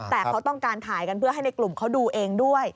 แต่เขาต้องการถ่ายกันเพื่อให้ในกลุ่มเขาดูเองด้วย